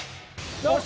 よし！